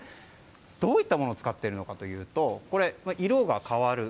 どういったものを使っているかというと色が変わる。